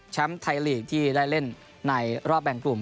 ไทยลีกที่ได้เล่นในรอบแบ่งกลุ่ม